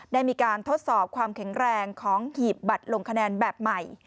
ได้มีการทดสอบความแข็งแรงของหีบบัตรลงคะแนนแบบใหม่